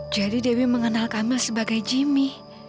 jadi dewi mengenal kamil sebagai jimmy